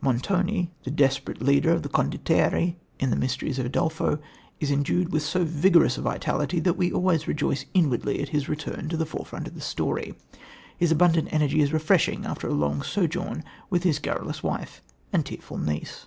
Montoni, the desperate leader of the condottieri in The Mysteries of Udolpho, is endued with so vigorous a vitality that we always rejoice inwardly at his return to the forefront of the story. His abundant energy is refreshing after a long sojourn with his garrulous wife and tearful niece.